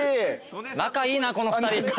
仲いいなこの２人。